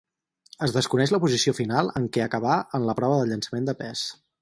Es desconeix la posició final en què acabà en la prova del llançament de pes.